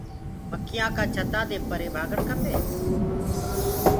مآکيآ ڪآ ڇتآ دي پري ڀآگڻ کپي؟